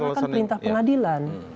karena melaksanakan perintah pengadilan